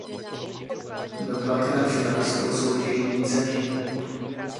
Byl dvakrát finalistou soutěžní ceny.